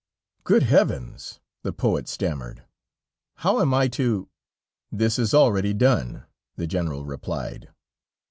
"Good heavens!" the poet stammered, "how am I to ..." "That is already done," the General replied.